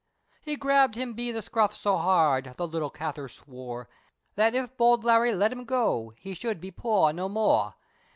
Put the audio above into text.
He grabbed him be the scruff so hard, The little crather swore, That if bowld Larry'd let him go, He should be poor no more!